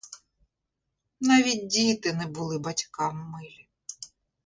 Навіть діти не були батькам милі.